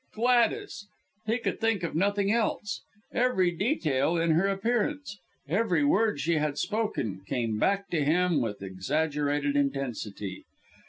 Gladys! He could think of nothing else! Every detail in her appearance, every word she had spoken, came back to him with exaggerated intensity.